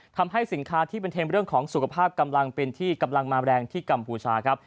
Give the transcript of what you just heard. ทำให้สินค้าที่เป็นเทมเรื่องของสุขภาพกำลังเป็นที่กำลังมาแรงที่กัมพูชาครับ